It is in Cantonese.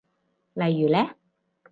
例如呢？